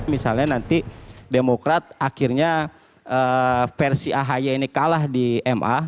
misalnya nanti demokrat akhirnya versi ahi ini kalah di ma